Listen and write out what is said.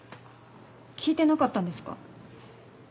聞いてなかったんですか？